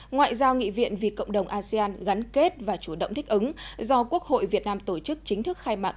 ngoại giao nghị viện vì cộng đồng asean gắn kết và chủ động thích ứng do quốc hội việt nam tổ chức chính thức khai mạc